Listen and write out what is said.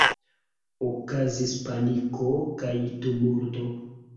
Okazis paniko kaj tumulto.